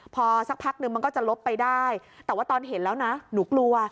พอสักพักนึงมันก็จะลบไปได้แต่ว่าตอนเห็นแล้วนะหนูกลัว